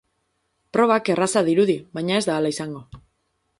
Probak erraza dirudi, baina ez da hala izango.